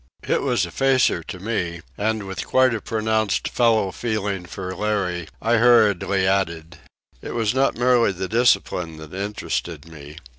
It was a facer to me, and with quite a pronounced fellow feeling for Larry I hurriedly added: "It was not merely the discipline that interested me.